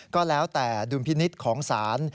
ก็แล้วแต่ดุลพินิษฐ์ของศาล